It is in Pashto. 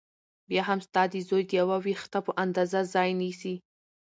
بيا هم ستا د زوى د يوه وېښته په اندازه ځاى نيسي .